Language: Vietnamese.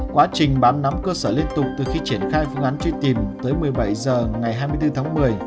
quá trình bám nắm cơ sở liên tục từ khi triển khai phương án truy tìm tới một mươi bảy h ngày hai mươi bốn tháng một mươi